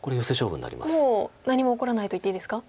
もう何も起こらないといっていいですか？